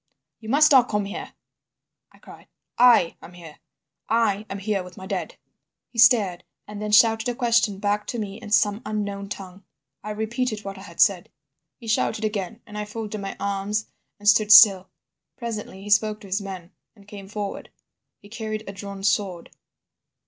"'You must not come here,' I cried, 'I am here. I am here with my dead.' "He stared, and then shouted a question back to me in some unknown tongue. "I repeated what I had said. "He shouted again, and I folded my arms and stood still. Presently he spoke to his men and came forward. He carried a drawn sword.